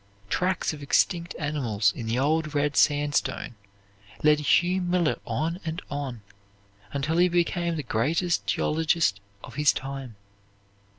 Tracks of extinct animals in the old red sandstone led Hugh Miller on and on until he became the greatest geologist of his time.